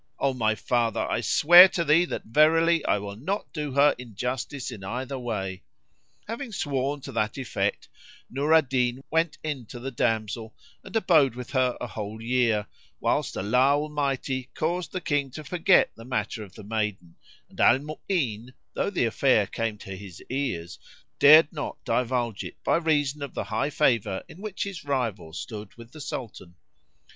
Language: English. "O my father! I swear to thee that verily I will not do her injustice in either way." Having sworn to that effect Nur al Din went in to the damsel and abode with her a whole year, whilst Allah Almighty caused the King to forget the matter of the maiden; and Al Mu'ín, though the affair came to his ears, dared not divulge it by reason of the high favour in which his rival stood with the Sultan.